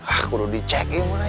ah kudu dicek ini mah ya